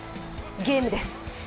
ゲームです。